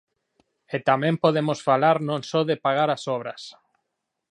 E tamén podemos falar non só de pagar as obras.